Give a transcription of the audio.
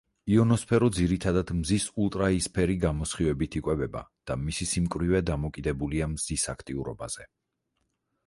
იონოსფერო ძირითადად მზის ულტრაიისფერი გამოსხივებით „იკვებება“ და მისი სიმკვრივე დამოკიდებულია მზის აქტიურობაზე.